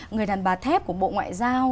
người đàn bà thép của bộ ngoại giao